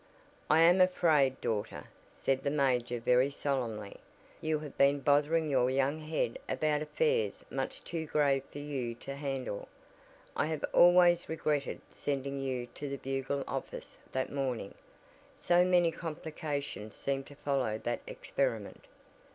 "I am afraid, daughter," said the major very solemnly, "you have been bothering your young head about affairs much too grave for you to handle. I have always regretted sending you to the Bugle office that morning, so many complications seemed to follow that experiment.